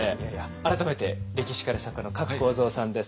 改めて歴史家で作家の加来耕三さんです。